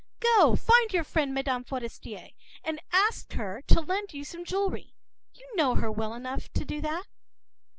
Go find your friend, Mme. Forester, and ask her to lend you some jewelry. You know her well enough to do that.